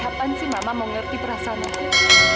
kapan sih mama mau ngerti perasaan aku